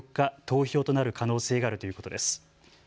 投票となる可能性があるということです。